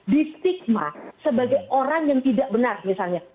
di stigma sebagai orang yang tidak benar misalnya